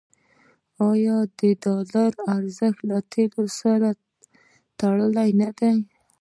آیا د ډالر ارزښت له تیلو سره تړلی نه دی؟